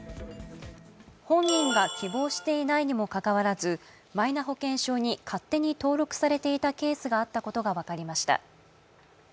本人が希望していないにもかかわらずマイナ保険証に勝手に登録されていたケースがあったことが分かりました。